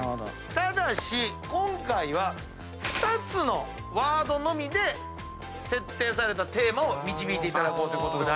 ただし今回は２つのワードのみで設定されたテーマを導いていただこうということで。